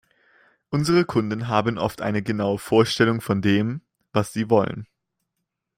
Unsere Kunden haben oft eine genaue Vorstellung, von dem, was sie wollen.